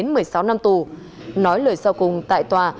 nói lời sau cùng tại tòa bị cáo ngô văn thủy xin lỗi